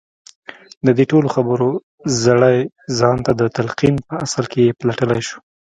د دې ټولو خبرو زړی ځان ته د تلقين په اصل کې پلټلای شو.